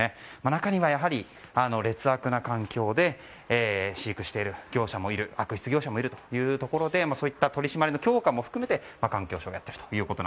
中には劣悪な環境で飼育している業者もいる悪質業者もいる中でそういった取り締まりの強化も含めて環境省がやっていると。